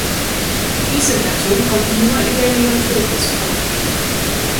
Diese Gattung kommt nur in der Neotropis vor.